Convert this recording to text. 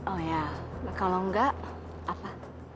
oh ya kalau enggak apa